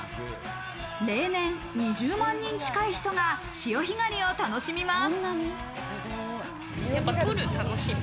例年、２０万人近い人が潮干狩りを楽しみます。